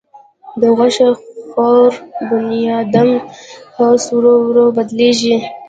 د غوښه خور بنیادم حواس ورو ورو بدلېږي.